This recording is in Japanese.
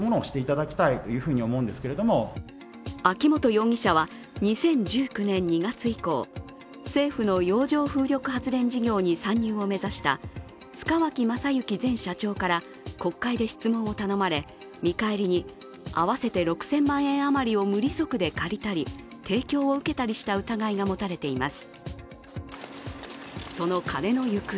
秋本容疑者は２０１９年２月以降、政府の洋上風力発電事業に参入を目指した塚脇正幸前社長から国会で質問を頼まれ、見返りに、合わせて６０００万円余りを無利息で借りたり提供を受けたりした疑いが持たれています。